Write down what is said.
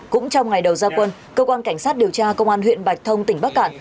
cũng trong ngày đầu giao quân công an cảnh sát điều tra công an huyện bạch thông tỉnh bắc cạn